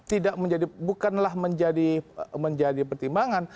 tidak menjadi bukanlah menjadi pertimbangan